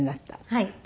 はい。